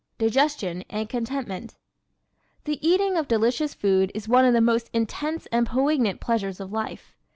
Digestion and Contentment ¶ The eating of delicious food is one of the most intense and poignant pleasures of life.